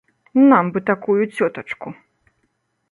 Нам бы такую цётачку!